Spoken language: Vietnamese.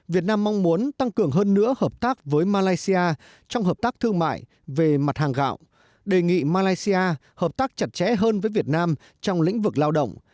việt nam mong muốn tăng cường hơn nữa hợp tác với malaysia trong hợp tác thương mại về mặt hàng gạo đề nghị malaysia hợp tác chặt chẽ hơn với việt nam trong lĩnh vực lao động